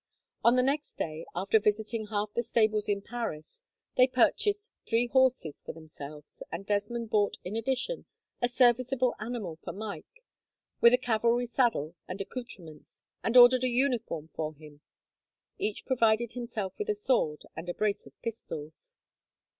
On the next day, after visiting half the stables in Paris, they purchased three horses for themselves, and Desmond bought, in addition, a serviceable animal for Mike, with a cavalry saddle and accoutrements, and ordered a uniform for him. Each provided himself with a sword and a brace of pistols.